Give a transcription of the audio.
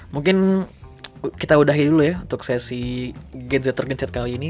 mungkin kita udahin dulu ya untuk sesi gadgetzer gencet kali ini